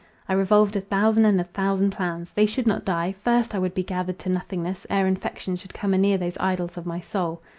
I revolved a thousand and a thousand plans. They should not die—first I would be gathered to nothingness, ere infection should come anear these idols of my soul.